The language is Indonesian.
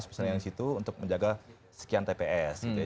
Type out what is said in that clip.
misalnya yang di situ untuk menjaga sekian tps gitu ya